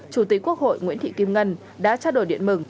chủ tịch quốc hội nguyễn thị kim ngân đã trao đổi điện mừng